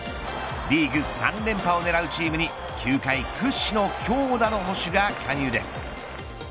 リーグ３連覇を狙うチームに球界屈指の強打の捕手が加入です。